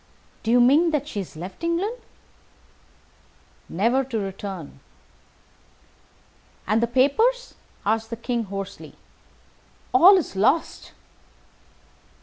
"Do you mean that she has left England?" "Never to return." "And the papers?" asked the King, hoarsely. "All is lost."